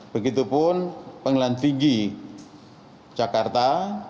begitupun pengelantingi jakarta